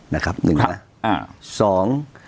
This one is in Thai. นะครับ๑นะ